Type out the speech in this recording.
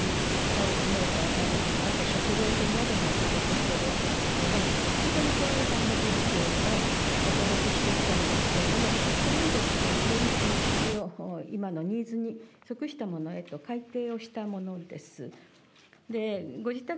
パルスオキシメーターですとか、食料品などもお届けしているわけですけれども、そこにこういうハンドブックをお届けしてきたんですけれども、これをより実用、今のニーズに即したものへと改訂したものです。